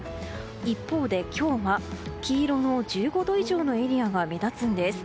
一方で今日が黄色の１５度以上のエリアが目立つんです。